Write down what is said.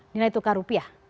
nilai tukar rupiah